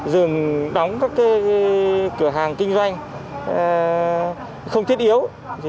dừng đóng các cái cửa hàng kinh doanh không thiết yếu